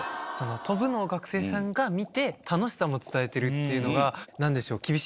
飛ぶのを学生さんが見て楽しさも伝えてるっていうのが何でしょう。